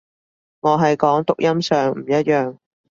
我係講讀音上唔一樣